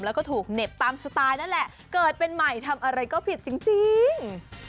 แล้วก็ถูกเหน็บตามสไตล์นั่นแหละเกิดเป็นใหม่ทำอะไรก็ผิดจริง